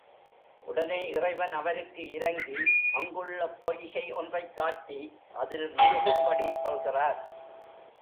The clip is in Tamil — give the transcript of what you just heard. உடனே இறைவன் அவருக்கு இரங்கி, அங்குள்ள பொய்கை ஒன்றைக் காட்டி அதில் முழுகும்படி சொல்கிறார்.